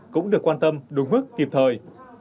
cũng được quan tâm đúng mức kịp thời